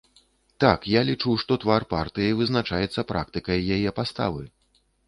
Так, я лічу, што твар партыі вызначаецца практыкай яе паствы.